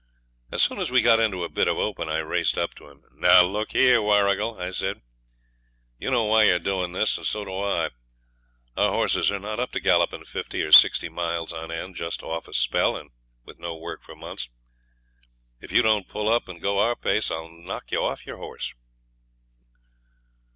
As soon as we got into a bit of open I raced up to him. 'Now, look here, Warrigal,' I said, 'you know why you're doing this, and so do I. Our horses are not up to galloping fifty or sixty miles on end just off a spell and with no work for months. If you don't pull up and go our pace I'll knock you off your horse.'